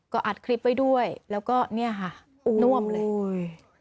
ก็อัดคลิปไว้ด้วยแล้วก็เนี่ยค่ะอบน่วมเลยโอ้ย